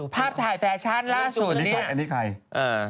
ภาพไทยแฟชั่นล่าสูงนี่ใครนี่อืม